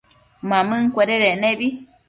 Mamëncuededec nebi